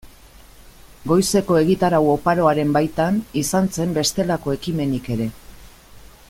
Goizeko egitarau oparoaren baitan, izan zen bestelako ekimenik ere.